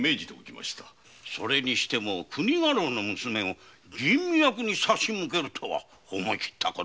それにしても国家老の娘を吟味役に差し向けるとは思い切ったこと。